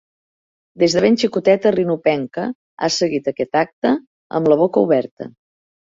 Des de ben xicoteta, Rinopenca ha seguit aquest acte amb la boca oberta.